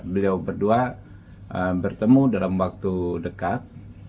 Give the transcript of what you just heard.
beliau berdua bertemu dalam waktu dekat